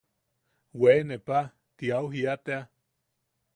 –Weene paa– ti au jia tea.